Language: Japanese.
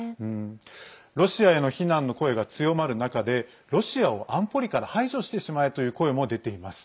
ロシアへの非難の声が強まる中でロシアを安保理から排除してしまえという声も出ています。